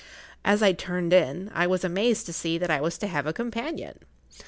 As I turned in, I was amazed to see that I was to have a companion.